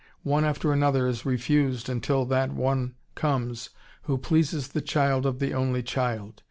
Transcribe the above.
One after another is refused, until that one comes who pleases the child of the only child.